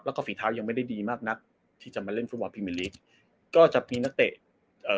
แล้วก็ฝีเท้ายังไม่ได้ดีมากนักที่จะมาเล่นฟุตบอลพรีเมอร์ลีกก็จะมีนักเตะเอ่อ